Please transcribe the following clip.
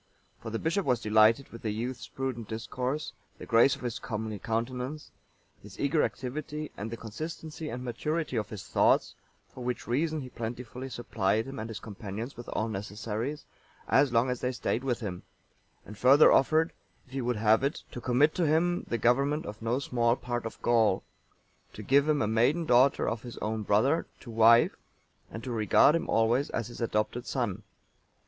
For the bishop was delighted with the youth's prudent discourse, the grace of his comely countenance, his eager activity, and the consistency and maturity of his thoughts; for which reason he plentifully supplied him and his companions with all necessaries, as long as they stayed with him; and further offered, if he would have it, to commit to him the government of no small part of Gaul, to give him a maiden daughter of his own brother(898) to wife, and to regard him always as his adopted son.